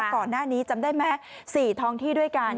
ก่อนหน้านี้จำได้ไหม๔ท้องที่ด้วยกัน